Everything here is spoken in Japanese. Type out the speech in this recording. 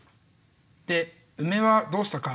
でウメはどうしたか。